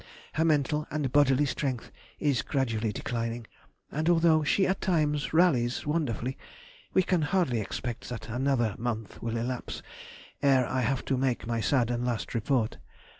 Her mental and bodily strength is gradually declining, and although she at times rallies wonderfully, we can hardly expect that another month will elapse ere I have to make my sad and last report....